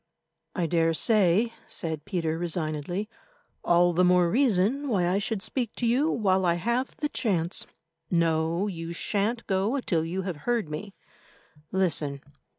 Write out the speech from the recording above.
"I daresay," said Peter resignedly; "all the more reason why I should speak to you while I have the chance. No, you shan't go till you have heard me. Listen.